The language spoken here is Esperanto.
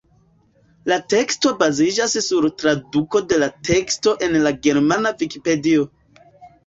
La teksto baziĝas sur traduko de la teksto en la germana vikipedio.